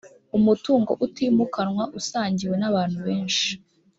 umutungo utimukanwa usangiwe nabantu benshi